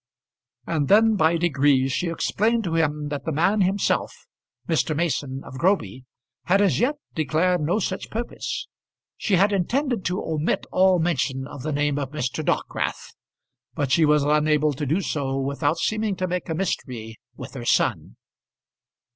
And then by degrees she explained to him that the man himself, Mr. Mason of Groby, had as yet declared no such purpose. She had intended to omit all mention of the name of Mr. Dockwrath, but she was unable to do so without seeming to make a mystery with her son.